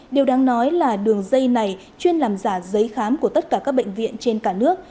điều đáng nói là đường dây này chuyên làm giả giấy khám của tất cả các bệnh viện trên cả nước